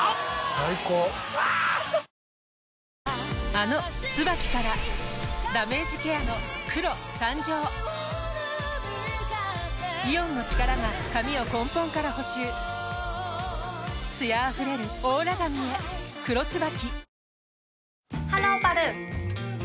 あの「ＴＳＵＢＡＫＩ」からダメージケアの黒誕生イオンの力が髪を根本から補修艶あふれるオーラ髪へ「黒ＴＳＵＢＡＫＩ」